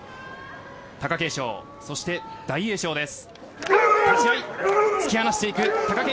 貴景勝、そして大栄翔です。